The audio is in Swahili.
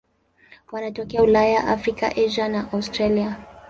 Wanatokea Ulaya, Afrika, Asia na Australia.